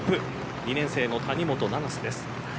２年生の谷本七星です。